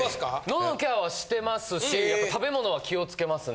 喉のケアはしてますしやっぱ食べ物は気をつけますね。